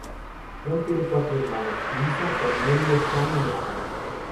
Braun tiene cuatro hermanos: Liza, Cornelio, Sam y Adam.